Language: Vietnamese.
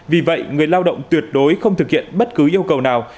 vì vậy người lao động tuyệt đối không thực hiện bất cứ yêu cầu nào